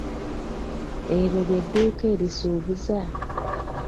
Eryo ly'edduuka erisuubuza?